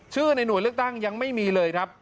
ในหน่วยเลือกตั้งยังไม่มีเลยครับ